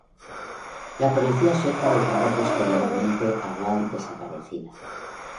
La policía sueca declaró posteriormente a Wall desaparecida.